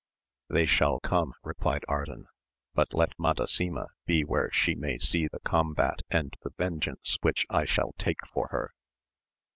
They shall come, replied Ardan, but let Madasima be where she may see the combat and the vengeance which I shall take for her.